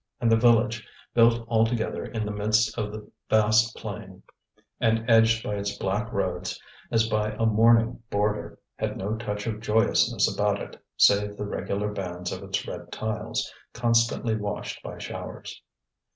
And the village, built altogether in the midst of the vast plain, and edged by its black roads as by a mourning border, had no touch of joyousness about it save the regular bands of its red tiles, constantly washed by showers.